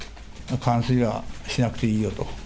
換水はしなくていいよと。